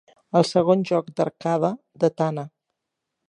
El segon joc d'arcade, Detana!!